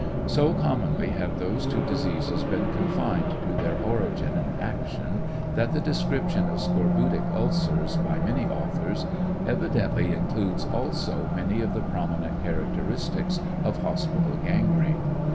So commonly have those two diseases been confined to their origin and action, that the description of scorbutic ulsers, by many authors, evidently includes also many of the prominent characteristics of hospi tal gangrene.